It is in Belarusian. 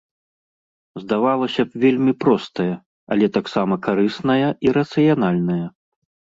Здавалася б, вельмі простая, але таксама карысная і рацыянальная.